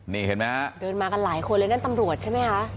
นี่เห็นไหมฮะเดินมากันหลายคนเลยนั่นตำรวจใช่ไหมคะ